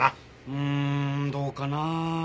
うーんどうかな。